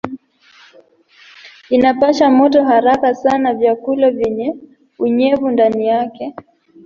Inapasha moto haraka sana vyakula vyenye unyevu ndani yake.